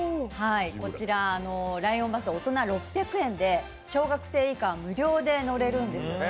こちらライオンバス大人６００円で小学生かは無料で乗れるんです。